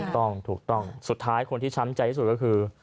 ถูกต้องถูกต้องสุดท้ายคนที่ช้ำใจที่สุดก็คือ